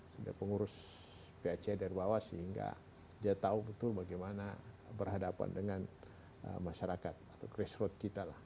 sebagai pengurus pac dari bawah sehingga dia tahu betul bagaimana berhadapan dengan masyarakat atau christrold kita lah